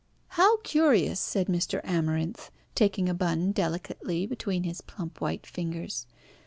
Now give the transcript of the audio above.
"How curious," said Mr. Amarinth, taking a bun delicately between his plump white fingers.